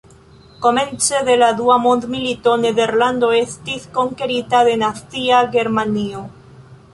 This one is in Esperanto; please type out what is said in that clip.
Komence de la dua mondmilito, Nederlando estis konkerita de Nazia Germanio.